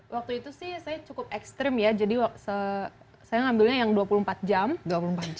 waktu itu sih saya cukup ekstrim ya jadi saya ngambil rx yang dua puluh empat jam dua puluh empat jam ya jadi makan cuma sekon hari